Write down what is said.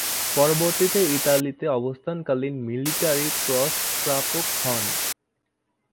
পরবর্তীতে ইতালিতে অবস্থানকালীন military cross প্রাপক হন।